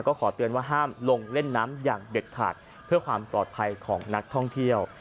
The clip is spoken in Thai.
ก็ขอเตือนว่าห้ามลงเล่นน้ำอย่างเด็ดขาดเพื่อความปลอดภัยของนักท่องเที่ยว